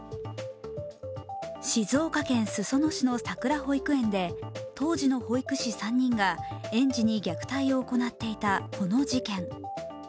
静岡県裾野市のさくら保育園で当時の保育士３人が園児に虐待を行っていたこの事件。